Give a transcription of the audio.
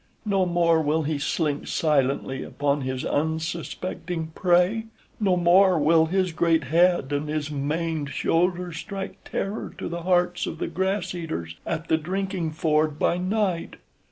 No more will he slink silently upon his unsuspecting prey. No more will his great head and his maned shoulders strike terror to the hearts of the grass eaters at the drinking ford by night.